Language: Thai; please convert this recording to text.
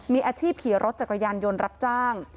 มีอาชีพขี่รถจักรยานยนต์รับจ้าง